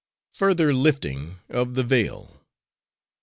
FURTHER LIFTING OF THE VEIL.